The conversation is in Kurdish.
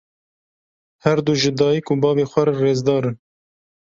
Her du ji dayîk û bavê xwe re rêzdar in.